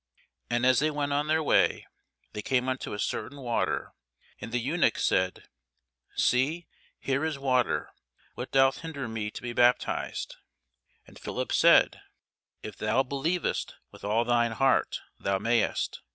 And as they went on their way, they came unto a certain water: and the eunuch said, See, here is water; what doth hinder me to be baptized? And Philip said, If thou believest with all thine heart, thou mayest.